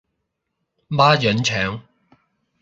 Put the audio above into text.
孖膶腸